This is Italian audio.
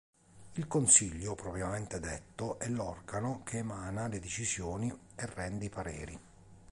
Il "Consiglio" propriamente detto è l'organo che emana le decisioni e rende i pareri.